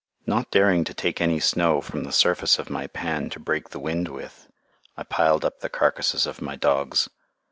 Not daring to take any snow from the surface of my pan to break the wind with, I piled up the carcasses of my dogs.